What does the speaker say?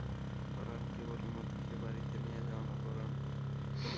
পরাণকে বলে, মতিকে এবার বাড়ি নিয়ে যাও না পরাণ?